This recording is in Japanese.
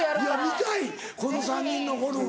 見たいこの３人のゴルフ。